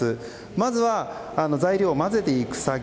まずは、材料を混ぜていく作業